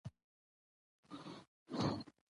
موږ باید د علمي حقایقو په لټه کې شو.